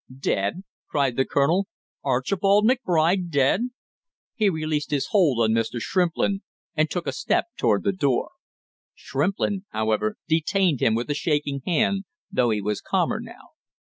"Dead!" cried the colonel. "Archibald McBride dead!" He released his hold on Mr. Shrimplin and took a step toward the door; Shrimplin, however, detained him with a shaking hand, though he was calmer now.